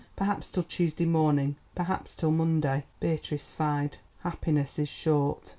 Perhaps till Tuesday morning, perhaps till Monday." Beatrice sighed. Happiness is short.